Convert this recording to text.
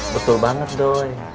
betul banget doi